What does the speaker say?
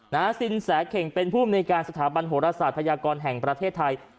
นะสินแข่งเป็นผู้อำนวยการสถาบันโหลกศาสตร์ไทย